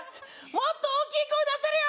もっと大きい声出せるよ！